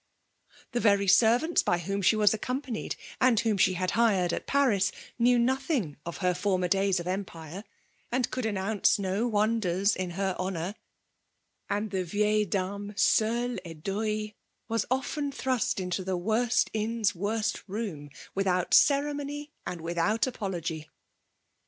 The T«iy servants by whom she was accompanied, aal whom she had hired at Paris, knew nodnng of her former days of empire, and eoold aBnoanee no wondevB in her honour ; and the '* wUk dame scale, en deaU,^' was <rften thrust into the *' worst inn's worst room, — ^without eeremon^ and without apology.